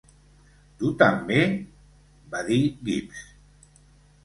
"Tu també", va dir Gibbs.